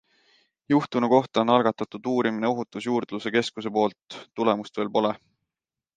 Juhtunu kohta on algatatud uurimine ohutusjuurdluse keskuse poolt, tulemust veel pole.